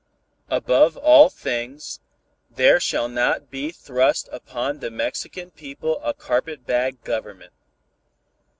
"Above all things, there shall not be thrust upon the Mexican people a carpet bag government.